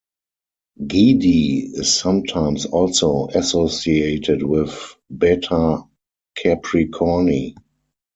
"Giedi" is sometimes also associated with Beta Capricorni.